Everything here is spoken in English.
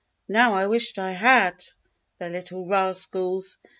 Now I wish I had. The little rascals!